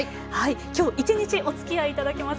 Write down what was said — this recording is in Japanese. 今日１日おつきあいいただきます